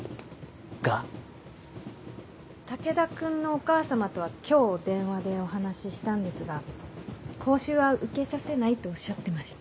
武田君のお母様とは今日電話でお話ししたんですが講習は受けさせないとおっしゃってまして。